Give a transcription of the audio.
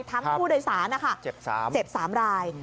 ทั้งผู้โดยสารนะคะเจ็บ๓ราย